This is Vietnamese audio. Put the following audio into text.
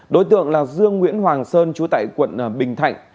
đối tượng là dương nguyễn hoàng sơn chú tại quận bình thạnh